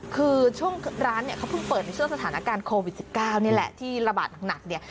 คือช่วงร้านเนี่ยเขาเพิ่งเปิดในช่วงสถานการณ์โควิด๑๙นี่แหละที่ระบาดหนักเนี่ย